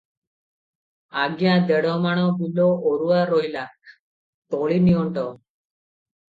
ଆଜ୍ଞା, ଦେଢ଼ମାଣ ବିଲ ଅରୁଆ ରହିଲା, ତଳି ନିଅଣ୍ଟ ।